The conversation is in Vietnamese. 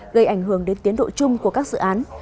gây ảnh hưởng đến tiến độ chung của các dự án